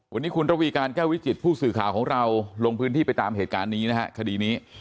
วันนี้คุณระวีการแก้ววิจิตผู้สื่อข่าวของเราลงพื้นที่ไปตามเหตุการณ์นี้นะฮะคดีนี้